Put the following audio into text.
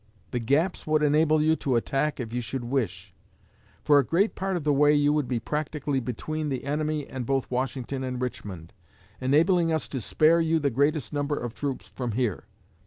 The gaps would enable you to attack if you should wish. For a great part of the way you would be practically between the enemy and both Washington and Richmond, enabling us to spare you the greatest number of troops from here.